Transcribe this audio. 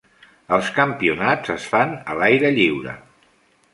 Els campionats es fan a l'aire lliure.